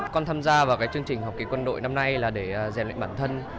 con tham gia vào cái chương trình học kỳ quân đội năm nay là để rèn luyện bản thân